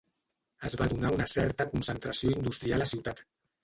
Es va donar una certa concentració industrial a Ciutat.